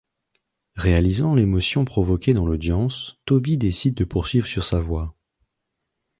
Réalisant l'émotion provoquée dans l'audience, Toby décide de poursuivre sur sa voie.